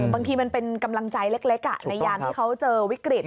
บางทีมันเป็นกำลังใจเล็กในยามที่เขาเจอวิกฤต